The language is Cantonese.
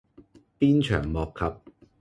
鞭長莫及